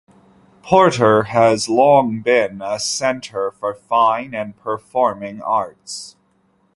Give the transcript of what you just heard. Porter has long been a center for fine and performing arts.